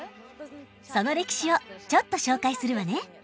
その歴史をちょっと紹介するわね。